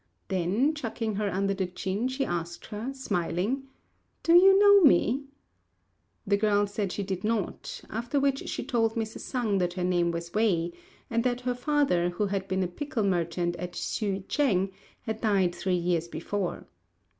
Then, chucking her under the chin, she asked her, smiling, "Do you know me?" The girl said she did not; after which she told Mrs. Sang that her name was Wei, and that her father, who had been a pickle merchant at Hsü ch'êng, had died three years before.